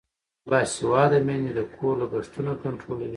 باسواده میندې د کور لګښتونه کنټرولوي.